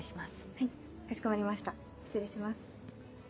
はいかしこまりました失礼します。